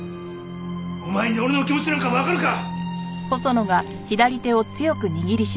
お前に俺の気持ちなんかわかるか！